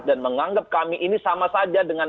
dan menganggap kami ini sama saja dengan